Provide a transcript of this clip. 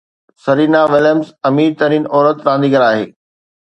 Serena Williams امير ترين عورت رانديگر آهي